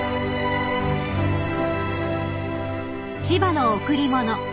［『千葉の贈り物』